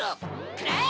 くらえ！